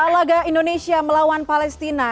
laga indonesia melawan palestina